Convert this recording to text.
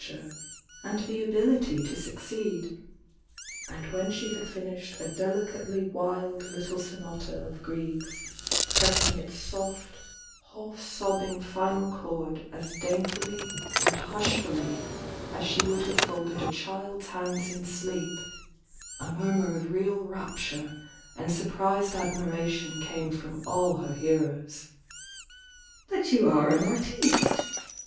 sure, and the ability to succeed — and when she had finished a delicately wild little sonata of Grieg's, pressing its soft, half sobbing final 154 THE YOUNG DIANA is '1 chord as daintily and hushfully as she would havo folded a child's hands in sleep, a munnur of real rapture and surprised admiration came from all her hearers. "But /ou are an artiste!"